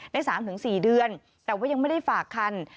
ได้๓๔เดือนแต่ว่ายังไม่ได้ฝากคัน